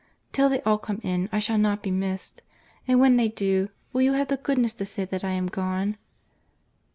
Till they all come in I shall not be missed; and when they do, will you have the goodness to say that I am gone?"